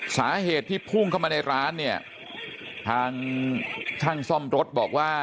สาเหตุที่พุ่งเข้ามาในร้านเนี่ยทางช่างซ่อมรถบอกว่า